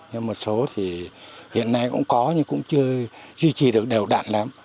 nhưng một số thì hiện nay cũng có nhưng cũng chưa duy trì được đều đạn lắm